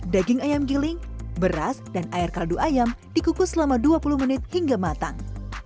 daging ayam giling beras dan air kaldu ayam dikukus selama dua puluh menit hingga matang